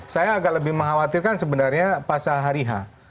saya agak lebih mengkhawatirkan sebenarnya pasca hari h